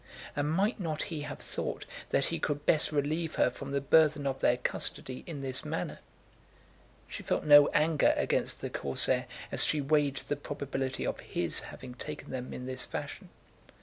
And might not he have thought that he could best relieve her from the burthen of their custody in this manner? She felt no anger against the Corsair as she weighed the probability of his having taken them in this fashion.